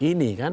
dan di mana mana